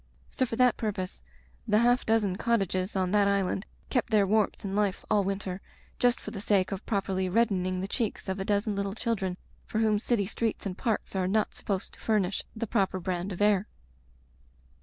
So for that purpose the half dozen cottages on that island kept their warmth and life all winter, just for the sake of properly reddening the cheeks of a dozen litde children for whom city streets and parks are not supposed to furnish the proper brand of air.